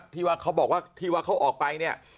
ที่ว่าเขาบอกว่าที่ว่าเขาออกไปเนี่ย